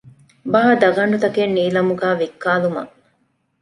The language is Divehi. ބާ ދަގަނޑުތަކެއް ނީލަމުގައި ވިއްކާލުމަށް